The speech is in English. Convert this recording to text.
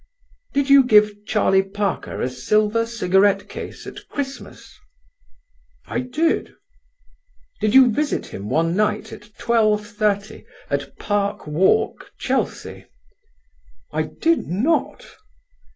"Did you give Charlie Parker a silver cigarette case at Christmas?" "I did." "Did you visit him one night at 12:30 at Park Walk, Chelsea?" "I did not."